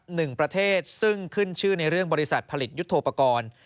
หนึ่งประเทศซึ่งขึ้นชื่อในเรื่องบริษัทผลิตยุทธโปรกรณ์